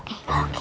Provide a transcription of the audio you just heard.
tidak ada ya mir